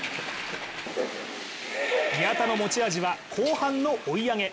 宮田の持ち味は後半の追い上げ。